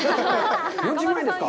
４０万円ですか。